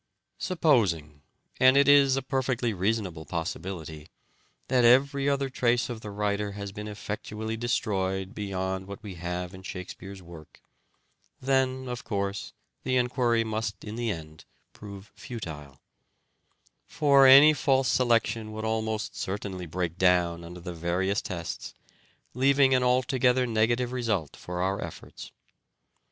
Supposing, and it is a perfectly reasonable possibility, that every other trace of the writer has been effectually destroyed beyond what we have in Shakespeare's work, then, of course, the enquiry must in the end prove futile ; for any false selection would almost certainly break down under the various tests, leaving an altogether negative result for our efforts.